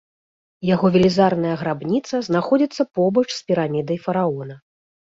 Яго велізарная грабніца знаходзіцца побач з пірамідай фараона.